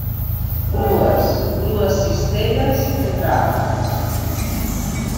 Grues, grues cistelles, entre altres.